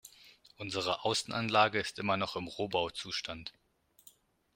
Unsere Außenanlage ist immer noch im Rohbauzustand.